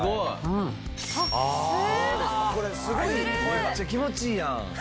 めっちゃ気持ちいいやん。